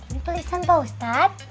ini tulisan pak mustaq